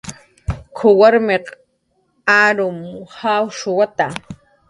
"K""uw warmq uruw jawchwata "